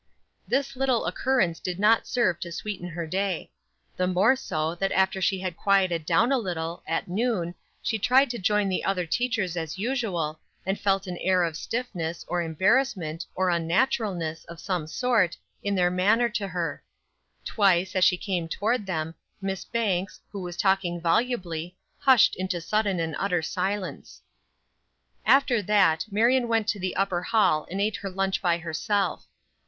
This little occurrence did not serve to sweeten her day. The more so, that after she had quieted down a little, at noon, she tried to join the other teachers as usual, and felt an air of stiffness, or embarrassment, or unnaturalness, of some sort, in their manner to her. Twice, as she came toward them, Miss Banks, who was talking volubly, hushed into sudden and utter silence. After that, Marion went into the upper hall and ate her lunch by herself.